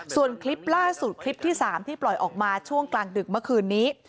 ส่วนคลิปล่าสุดคลิปที่๓ที่ปล่อยออกมาช่วงกลางดึกเมื่อคืนนี้